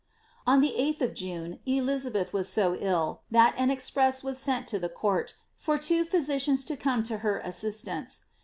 ^ On the 8th of June, Elizabeth was so ill, that an express was sent to the court, for two physicians to come to her assistance.